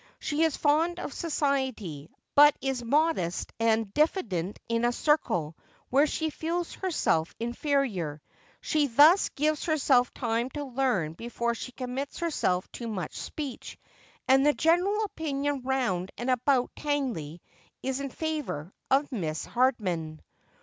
She is fond of society, but is modest and diffident in a circle where she feels herself inferior. She thus gives herself time to learn before she commits herself to much speech ; and the general opinion round and about Tangley is in favour of Miss Hardman.